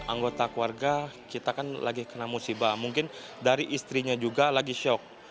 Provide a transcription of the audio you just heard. anggota keluarga kita kan lagi kena musibah mungkin dari istrinya juga lagi shock